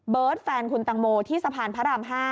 แฟนคุณตังโมที่สะพานพระราม๕